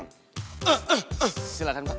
kacamata ya pak